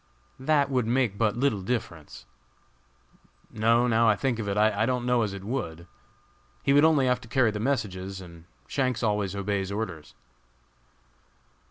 "That would make but little difference." "No, now I think of it, I don't know as it would. He would only have to carry the messages, and Shanks always obeys orders."